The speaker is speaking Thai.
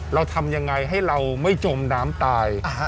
เราทำยังไงให้เราไม่จมน้ำตาย